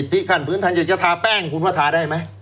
ถ้ายุทธเนียศจะทาแบ้งคุณว่าทาได้มั้ย